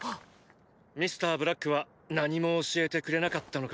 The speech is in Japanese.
ミスターブラックは何も教えてくれなかったのかい？